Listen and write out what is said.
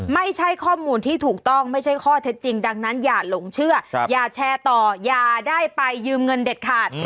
ไม่ใช่ข้อมูลที่ถูกต้องไม่ใช่ข้อเท็จจริงดังนั้นอย่าหลงเชื่ออย่าแชร์ต่ออย่าได้ไปยืมเงินเด็ดขาด